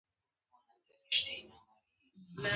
هغوی د ستوري په خوا کې تیرو یادونو خبرې کړې.